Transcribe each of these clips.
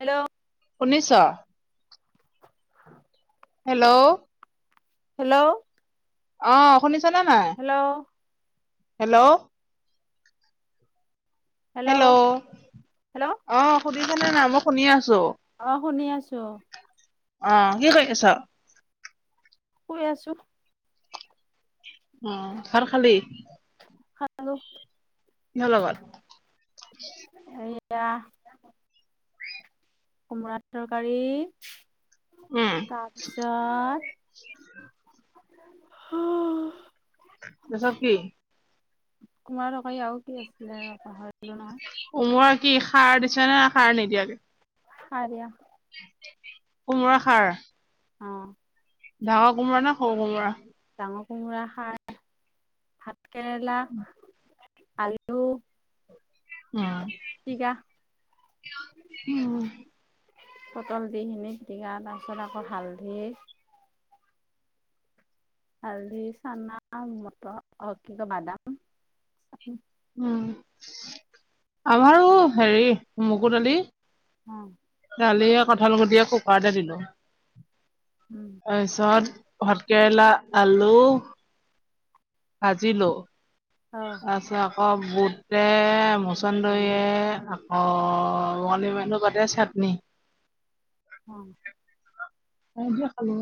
Hello. শুনিছ। Hello. Hello. অহ শুনিছোনে নাই? Hello hello. হেল্ল' হেল্ল' অ', সুধিছেনে না মই শুনি আছো। অহ শুনি আছো। অ', কি কৰি আছো? শুই আছো। উম ভাত খালি? খালো। কিহৰ লগত? সেইয়া কোমোৰা তৰকাৰী উম তাৰপিছত আহ। তাচত কি? কুমাৰা তৰকাৰী আৰু কি আছিলে পাহৰিলো নহয়। উমোৰ কি সাৰ দিছে নে সাৰ নিদিয়াকে খাৰ দিয়া। কোমৰা সাৰ। অহ। ডাঙৰ কোমোৰা নে সৰু কোমোৰা? হাঁহ কোমোৰা খাই ভাত কেৰেলা। আলু। উম। পিটিকা উম। পটল দিখিনি পিটিকা তাৰপিছত আকৌ হালধি হালদি চানা মটৰ অ', কি কয় বাদাম উম, আমাৰ হেৰি মগু দালি উম। দালি কঁঠালগুটিয়ে কুকাৰতে দিলো উম তাৰপিছত ভাতকেৰেলা আলু ভাজিলো অ তাৰছ আকৌ বুটে মুচন্দৰীয়ে আকৌণি মু পাতে চাত [unintelligible] অ'। এই দিয়ে খালো।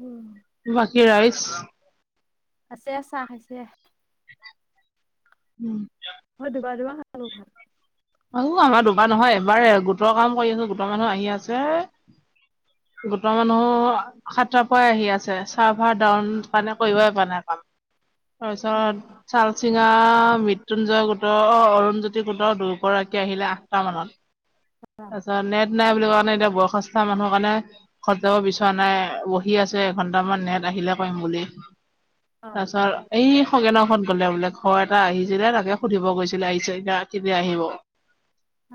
উম। বাকী ৰাইচ। আছে চাহ খাইছে। উম। সাদ বাদ মা খাল ভাল [unintelligible] হো আমাৰ দুবাৰ নহয় এবাৰে গোটৰ কাম কৰি আছো গোটৰ মানুহ আহি আছে। গোটৰ মানুহো সাত পৰাই আহি আছে চাহফাহ ডাউন কাৰণে কৰিবই পৰা নাই কাম। তাৰপিছত চালচিঙা মৃত্যুঞ্জয় গোটৰ অ' অৰুণজ্যোতি গোটৰ দু আহিলে আঠটা মানত, তাৰছত নেট নাই বুলি কোৱা নাই, এতিয়া বয়সস্থা মানুহৰ কাৰণে ঘৰ যাব বিচৰা নাই, বহি আছে এঘন্টটা মান সিহ আহিলে কৰিম বুলি তাৰপিছত এই থাকে ন' ফন কৰিব গ'লে বোলে ঘৰ এটা আহিছিলে তাকে সুধিব গৈছিলে, আহিছ এতা কেতিয়া আহিব।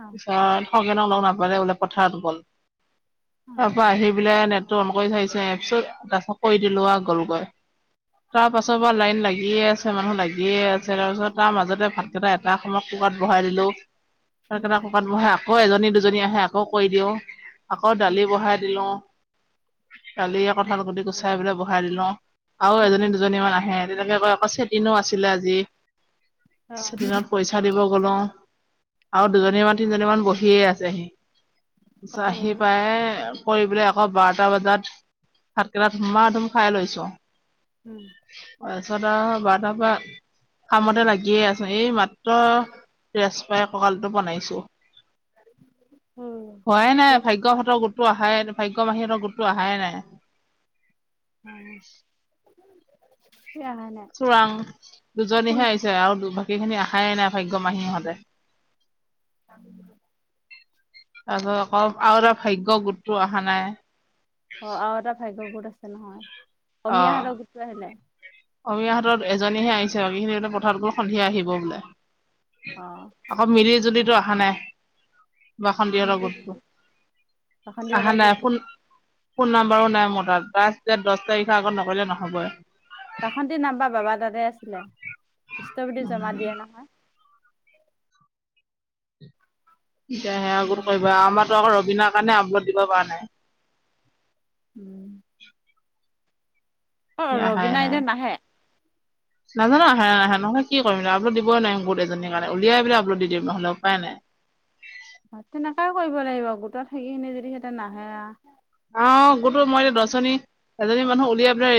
পিছত সগেনক লগ নাপালে বোলে পথাৰত গ'ল। তাৰপা আহি বোলে নেটটো অন কৰি চাই ছে তাৰ পিছত তাৰাছত কৈ দিলোঁ আৰু গ'লগৈ তাৰ পাছৰপৰা লাইন লাগিয়ে আছে। মানুহ লাগিয়ে আছে তাৰ পিছত তাৰ মাজতে ভাতকেইটা এটা সময় কুকাৰত বহাই দিলোঁ। ভাতকেইটা ককাত ববহাই আকৌ এজনী দুজনী আহে আকৌ কৈ দিওঁ। আকৌ দালি বহাই দিলোঁ। কালি কঠাল কঠি গুচাই পেলাই বহাই দিলোঁ। আৰু এজনী দুজনী মান আহে। তেনেকে কৈ আকৌ চেটিনো আছিলে আজি, চেটিনত পইচা দিব গ'লোঁ। আৰু দুজনী বা তিনজনীমান বহিয়ে আছেহি তাৰিছত আহি পায় কৰি পলে আকৌ বাৰটা বজাত ভাতকেলাত ধুমা ধুম খাই লৈছোঁ। অছ পটা বাৰটাৰপৰা কামতে লাগিয়ে আছোঁ, এই মাত্ৰ ৰেচ এ, ককালটো বনাইছোঁ। হোৱায়েই নাই ভাগ্য ভতৰ গোতোৱা হাই ভাগ্য বাহিৰতৰ গোটতো আহাই নাই। হুম। চোৰাং কোন দুজনীহে আহিছে আৰু দুভাগ গেইখিনি আহাইে নাই ভাগ্য মাহীহঁতে। [inaudible] আকৌ আৰু এটা ভাগ্য গোটটো আহা নাই। অ' আৰু এটা ভাগ্য গোট আছে নহয়, অসমমীয়াহঁতৰ গোটটো আছিল নাই? অমীয়া হাতত এজনীহে আহিছে, বাকীখিনি পথাৰত গ-সন্ধিয়া আহিব বোলে। অ আকৌ মিলি, জুলিতো আহা নাই। বাসন্তীহঁতৰ মিলি গোটটো। জুলি আহা বাসন্তীহঁতৰ নাই, গোটটো ফোন ফোন নাম্বাৰো নাই মোৰ তাত। লাষ্ট দহ তাৰিখৰ আগত নকৰিলে নহ'ব। বাসন্তীৰ নাম্বাৰ বাবাৰ তাতেই আছিলে, ষ্টবিটি জমা দিয়ে নহয়। এতিয়া সে আগত উম, কৰিবা আৰু আমাৰতো আকৌ ৰবিনৰাৰ কাৰণে আপল'ড দিব পৰা নাই। উম। সি অ' আহাই ৰবিনা নাই এতিয়া নাহে? নাজানো আহে নে নাহে কি কৰিম আপলোড দিবই নোৱাৰিম, গোতেজনীৰ কাৰনে উলিয়াই মেলি আপলোড দিম নহ'লে উপায় নাই। [unintelligible] সেইখিনি যদি সিহঁতে নাহে অ' গোটো মই দছজনী এজনী মানুহ উলিয়াই পেলাই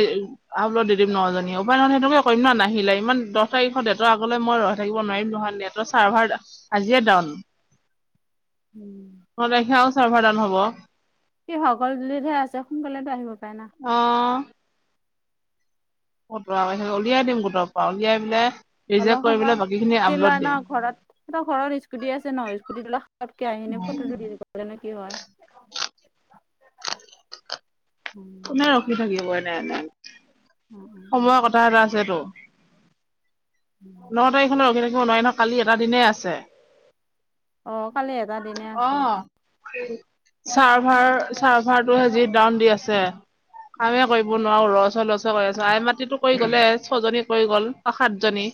আপল'ড দি দিম। নজনী উপায় নহয় সেইটোকে কৰিম নাহিলে ইমান দহ তাৰিখত নেটৰ আগলৈ মই ৰৈ থাকিব নোৱাৰিম নহয়, নেটৰ চাৰ্ভাৰ আজিয়ে ডাউন। উম, ন' তাৰিখে আৰু চাৰ্ভাৰ ডাউন হ'ব। হীসকল দুজনী হে আছে, সোনকালেটো আহিব পাৰে না অ'। অতৰা বাহিলে উলিয়াই দিম গোটৰ পৰা, উলিয়াই পেলাই ৰিজেক্ত কৰি পীনেই বাকীখিনি আপলোড টিলৈ দিম ন' ঘৰত ঘৰত স্কুটি আছে ন' স্কুটিটোলৈ ফটকে আহি ফটোটো দি দিব পাৰে নে কি হয়। [inaudible] কোনে ৰখি থাকিব এনে এনে। সময়ৰ কথা এটা আছেতো। ন' তাৰিখলৈ ৰখি থাকিব নোৱাৰি ন' কালি এটা দিনে আছে। অ' কালি এটা দিনে আছে অ', আকৌ। চাৰ্ভাৰ চাৰ্ভাৰটো যিহে ডাউন দি আছে। কামে কৰিব নোৱাৰো লচ অ' লচ আছো আই মাত্ৰি টো কৰি গ'লেই ছজনী কৰি গ'ল অ' সাতজনী।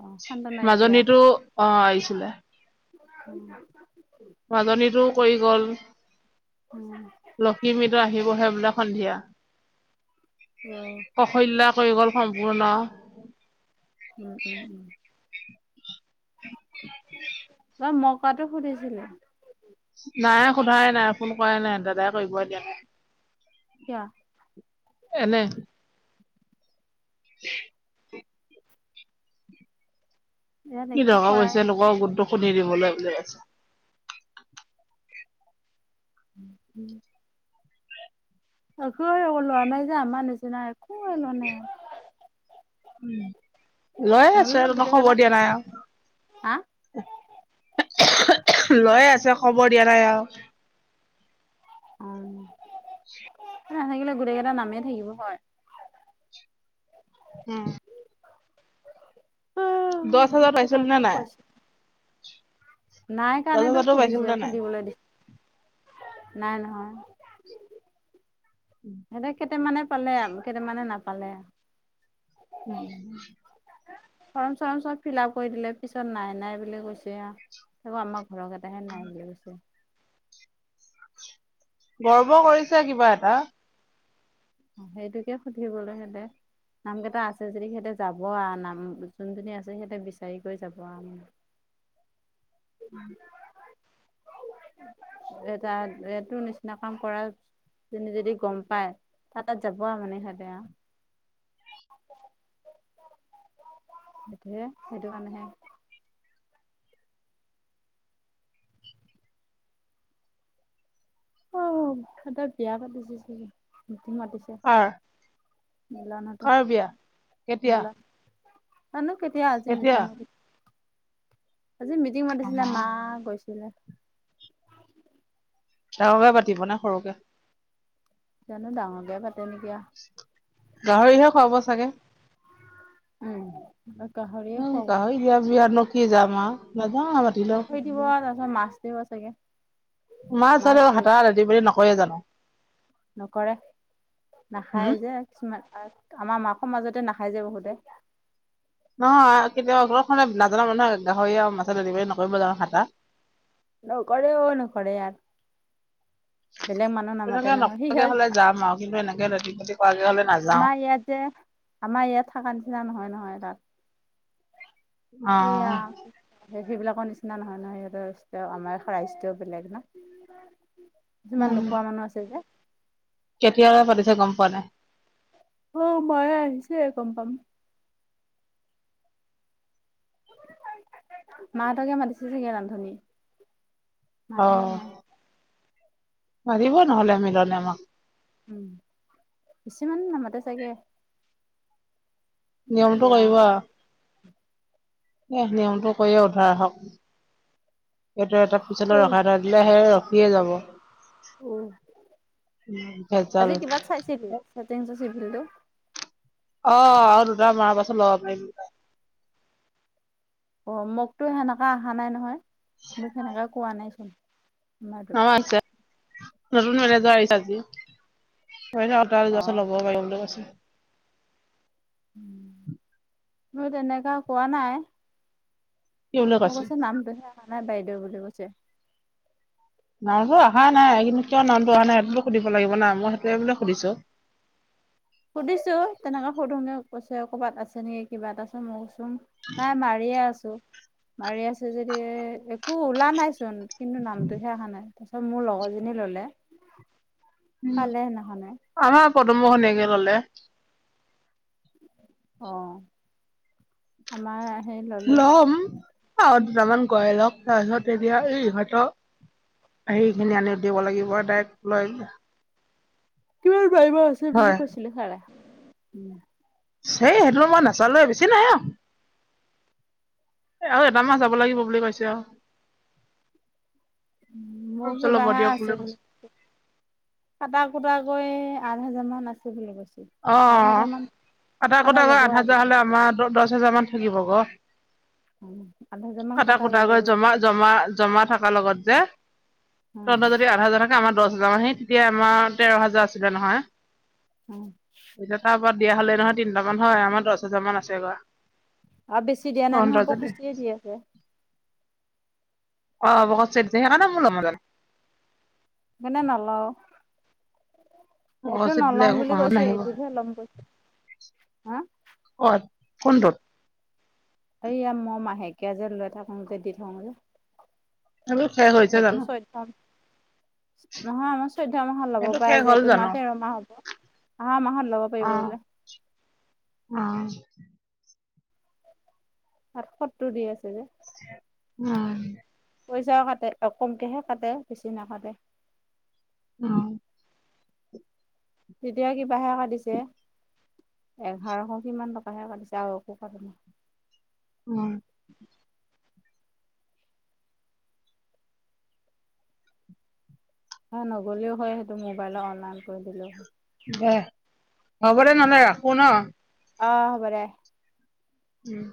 অ সান্তনা মাজনীতো অ' আহিছিলে। উম মাজনীটো কয়ী গ'ল। লশিমিটো আহিবহে বোলে সন্ধিয়া। উম কৌশল্যা কৰি গ'ল সম্পূৰ্ণ উম, উম, উম ত তই মকাটো সুধিছিলে। নাই সোধাই নাই ফোন কৰাই নাই দাদাই কৰিব এতিয়া। কিয় এনে। [unintelligible] ইয়াত কি একো দৰকাৰ কৰাই পৰিছে লোকৰ গোটটো শুলি দিবলৈ বুলি কৈছে উ, উম কুৱে লোৱা নাই যা আমাৰনিচিনা একোৱে লোৱা নাই। উম লৈ আছো নললে আৰু তোমাক গোটেই কেইটা খবৰ দিয়া নাই আও। হা লৈ আছে খবৰ দিয়া নাই আও। অ [inaudible] নাথাকিলে গোটেই কেইটা নামেই থাকিব হয়। হম। দহ হাজাৰ পাইছিল নে তাকে নাই? কৈছো নাই দহ কাৰণেতো হাজাৰতো পাইছিল সুধিছে নে নাই সুধিবলৈ দিছে নাই নহয়। [unintelligible] সিহঁতে কেইটামানে পালে আৰু কেইটামানে নাপালে আৰু। উম। ফৰৰ্ম চৰম চ'ব ফিল আপ কৰি দিলে পিছত নাই নাই বুলি কৈছে আঁ আমাক। ঘৰক এটাহে নাই বুলি কৈছে। গৰ্ব কৰিছে কিবা এটা। সেইটোকে সুধিবলৈহেতে নাম কেইটা আছে যদি সিহঁতে যাব আৰু নাম যোনজনী আছে সিহঁতে বিচাৰি কৰি যাব আৰু। [unintelligible] [unintelligible] এটা এইটো নিচিনা কাম কৰা ত' যদি গম পায় তাত যাব আৰু মানে সিহঁতে আৰু। [unintelligible] সেইটোহে সেইটো কাৰণেহে। আহ সদতে বিয়া পাতিছে মটি মাতিছে। কাৰ মিলনহঁতৰ কাৰ বিয়া কেতিয়া? মিলন জানো কেতিয়া আজি মিটিং আজি মিটিং মাতিছিলে গৈছিলে। ডাঙকে পাতিব নে সৰুকে? জানো ডাঙৰকে পাতে নেকি। গাহৰিহে খুৱাব চাগে। উম গাহৰিয়ে খ এতিয়া বিয়াত নকিয় যাম আৰু। থৈ দিব তাৰ পিছত মাছ দিব চাগে। মাছ হাতা ৰা বুলি নকয়ে জানো? নকৰে হুম? নাখায় যে কিছুমান। আমাৰ মাকৰ মাজতে নাখাই যে বহুতে। নহয় কেতিয়া ঘৰখনে নাজানো মানুহে গাহৰি আৰু মাছ ডেলিভাৰী নকৰিব জানো খটা। নকৰে অ', নকৰে ইয়াত। বেলেগ মানুহ নামতে তেনেকে নকৰাকে নহয় হ'লে যাম আও কিন্তু এনেকে লেটি পেটি কৰাকে হ'লে [unintelligible] নাযাওঁ। আমাৰ ইয়াত যে আমাৰ ইয়াত থাক নিচিনা নহয় নহয় তাত। এইয়া অ'। সেইবিলাকৰ নিচিনা নহয় নহয় সিহঁতৰ আমাৰ সৰাজয়ও বেলেগ ন। কিছুমান নোখোৱা মানুহ আছে যে কেতিয়াবা পাতিছে গম পোৱা নে নাই? অ', মায়ে আহিছে গম পাম। মাহঁতকে মাতিছে চাগে ৰান্ধনী। ভাত হে বনাই। মাৰিব নহ'লে মিলনে আমাক। উম, বেছি মানুহ নামতে চাগে। নিয়মটো বেয়া কৰিব আৰু। নিয়মটো কৰিয়ে উধাৰ হক। সেইটো এটা পিছলৈত ৰখাই থৈ দিলে সেই ৰখিয়ে যাব। উ ভেজাল আজি কিবাত চাইছিল [unintelligible] চিভিলটো? আহ আৰু দুটা মাৰা পাছত লব পাৰিম বোলে। অ', মোকতো সেনেককাে অহা নাই নহয় মোক সেনেকে কোৱা নাইচোন। আমাৰটোত নম আছে নতুন মেনেজাৰ আহিছে আজি। [unintelligible] অ লব পাৰিব বুলি কৈছে। মই তেনেকা কোৱা নাই। কি বুলি মোৰ কৈছে নামটোহে অহা নাই বাইদেউ বুলি কৈছে। নামটো আহা নাই কিন্তু কিয় নামটো অহা নাই সেইটোতো সুধিব লাগিব নাই মই সেইটোৱে বোলে সুধিছো। সুধিছো তেনেকে সুধোগে কৈছে ক'বাত আছে নেকি কিবা এটা চোন মই কৈ নাই মাৰিয়ে আছো। [unintelligible] মাৰি আছে যদি একো ওলা নাইচোন কিন্তু নামটোহে অহা নাই তাৰপিছত মোৰ লগৰজনী ললে। [inaudible] পালে সেইদিনা খনে। পদুমৰ ঘৈণীয়েকে ল'লে। অ', আমাৰ সেই ল'লে লম আৰু দুটামান কৰাই লক তাৰপিছত এতিয়া এই ইহঁতৰ সেই খিনি আনি দিব লাগিব ডাইৰেক্ট লৈ কিমান মাৰিব আছে হয় বুলি কৈছিল ছাৰে। সেই সেইটোলৈ মই নাচালোৱে বেছি নাই অ [inaudible] এ আৰু এটা মাহ যাব লাগিব বুলি কৈছে আৰু। মোৰ ল'ব কিবাহে দিয়ক আছে কৈছে বুলি কটা কুটা কৰি দহ হাজাৰ মান আছে বুলি কৈছে। আঠ হাজাৰ অ', মান আটাৰ কটা কথা ক যাব আঠ আৰু হাজাৰ বুলি হলে কৈছে। আমাৰ দ দহ হোজাৰ মান থাকিব গে। আঠ হাজাৰ মান কাটা কটা যাব কুটাকৈ বুলি জমা কৈছে জমা জমা থাকাৰ লগত যে উম তহঁতৰ যদি আঠ হাজাৰ থাকে আমাৰ দহ হাজাৰ মানেই তেতিয়া আমাৰ তেৰ হাজাৰ আছিলে নহয়। উম। এতিয়া তাৰ পৰা দিয়া হ'লে নহয় তিনটা মান হয় আমাৰ দহ হাজাৰ মান আছে গৈ। আৰু বেছি দিয়া নাই নহয় তহঁতৰ যদি পষষ্ঠিয়ে দি আছে। অ', পশষ্ঠিয়ে দিছে সেইকাৰণে মোৰ লব মন মানে নলওঁ। সেইটো পশস্থি দিলে নলওঁ একো বুলি কামত কৈছে নাহিব এইটোতহে ল'ম কৈছে হা কোনটোত? এইয়া মই মাহেকীয়া যে লৈ থাকো যে দি থাকো যে। সেইটো শেষ হৈছে সেইটো জানো [unintelligible] নহয় আমাৰ চৈধ্য মাহত ল'ব সেইটো পাৰে শেষ যে হ'ল এইটো মাহ জানো তেৰ মাহ হ'ব। আহা মাহত লোব পাৰিব অ বোলে। অ'। সাতসত্তৰ দি আছে যে। উম। পইচাও কাটে কম কম কেহে কাটে বেছি নাকাটে। অ'। তেতিয়া কিবাহে কাটিছে। এঘাৰশ কিমান টকাহে কাতিছে আৰু একো কটানাই। উ এ নগলেও হয় সেইটো মোবাইল অনলাইন কৰি দিলেও দে হ'ব দে হয় নহলে ৰাখো ন। অ' হব দে। উম।